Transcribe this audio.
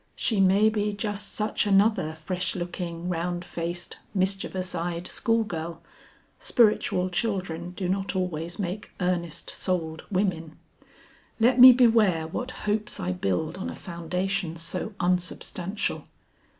"She may be just such another fresh looking, round faced, mischievous eyed school girl. Spiritual children do not always make earnest souled women. Let me beware what hopes I build on a foundation so unsubstantial."